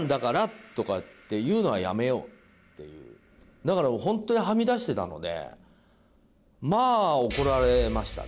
だから本当にはみ出してたのでまあ怒られましたね。